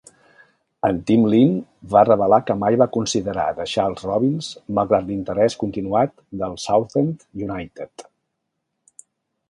En Timlin va revelar que mai va considerar deixar els Robins malgrat l'interès continuat del Southend United.